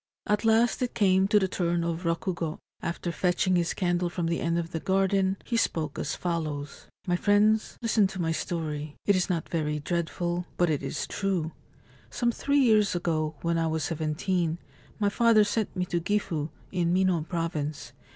At last it came to the turn of Rokugo. After fetching his candle from the end of the garden, he spoke as follows : 4 My friends, listen to my story. It is not very dread ful ; but it is true. Some three years ago, when I was seventeen, my father sent me to Gifu, in Mino Province.